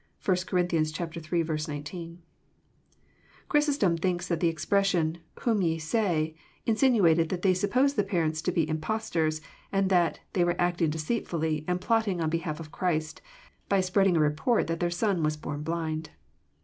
'* (1 Cor. ill. 19.) Chrysostom thinks that the expression, " whom ye say, in sinuated that they supposed the parents to be impostors, and that *' they were acting deceitfully, and plotting on behalf of Christ," by spreading a report that their son was born blind.